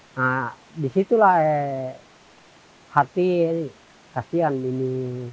nah disitulah hati kasihan ini